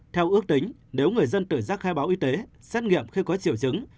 theo ước tính nếu người dân tự giác khai báo y tế xét nghiệm khi có triệu chứng